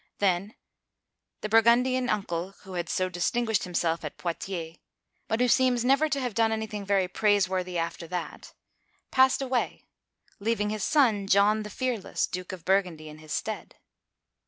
Then the Burgundian uncle — who had so distinguished himself at Poitiers, but who seems never to have done anything very praiseworthy after that — passed away, leaving his son, John the Fear less, Duke of Burgundy in his stead.